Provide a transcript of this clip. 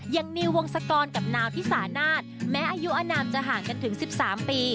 นิววงศกรกับนาวที่สานาศแม้อายุอนามจะห่างกันถึง๑๓ปี